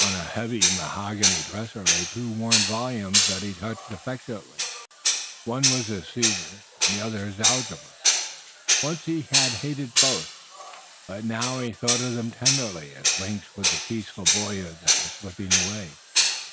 On a heavy mahogany dresser lay two worn volumes that he touched affectionately. One was his Caesar and the other his algebra. Once he had hated both, but now he thought of them tenderly as links with, the peaceful boyhood that was slipping away.